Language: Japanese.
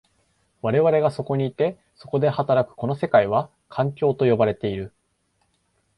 我々がそこにいて、そこで働くこの世界は、環境と呼ばれている。